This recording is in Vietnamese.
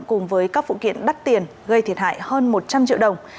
cùng với các phụ kiện đắt tiền gây thiệt hại hơn một trăm linh triệu đồng